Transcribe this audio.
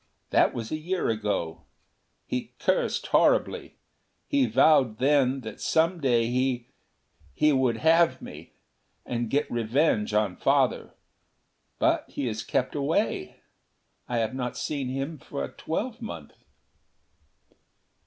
That was a year ago. He cursed horribly. He vowed then that some day he he would have me; and get revenge on Father. But he has kept away. I have not seen him for a twelvemonth."